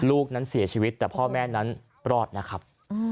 ลูกนั้นเสียชีวิตแต่พ่อแม่นั้นรอดนะครับ